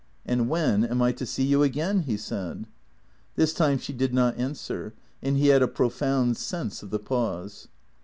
" And when am I to see you again ?" he said. This time she did not answer, and he had a profound sense of the pause.